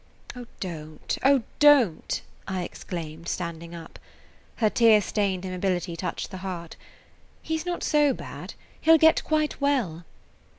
"Oh, don't! Oh, don't!" I exclaimed, standing up. Her tear stained immobility touched the heart. "He 's not so bad; he 'll get quite well."